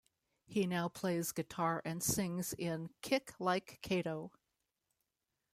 He now plays guitar and sings in Kick Like Kato.